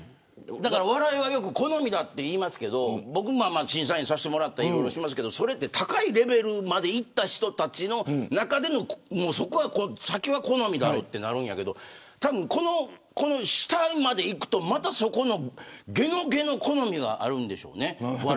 笑いは好みだとよく言いますけど僕も審査員させてもらったりしますけど、それは高いレベルまでいった人の中のその先は、好みやとなるんだけど下までいくと、またそこの下の下の好みがあるんでしょうね。